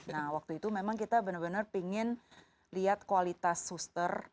nah waktu itu memang kita benar benar ingin lihat kualitas suster